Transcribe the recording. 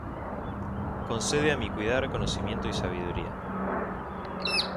Concede a mi cuidar conocimiento y sabiduría.